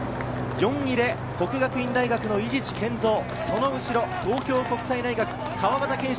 ４位で國學院大學の伊地知賢造、その後ろ東京国際大学・川端拳史。